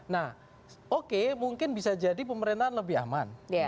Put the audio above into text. nah oke mungkin bisa jadi pemerintahan lebih aman